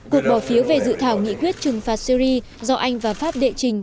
cuộc bỏ phiếu về dự thảo nghị quyết trừng phạt syri do anh và pháp đệ trình